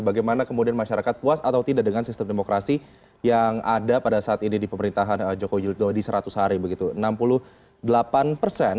bagaimana kemudian masyarakat puas atau tidak dengan sistem demokrasi yang ada pada saat ini di pemerintahan joko widodo di seratun